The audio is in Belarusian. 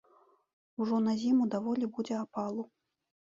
Ужо на зіму даволі будзе апалу.